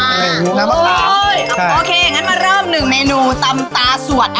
โอเคงั้นมาเริ่ม๑เมนูตำตาสวด